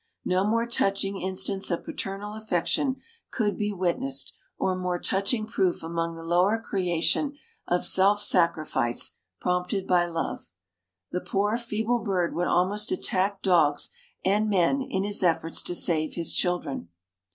No more touching instance of paternal affection could be witnessed, or more touching proof among the lower creation of self sacrifice, prompted by love. The poor, feeble bird would almost attack dogs and men in his efforts to save his children.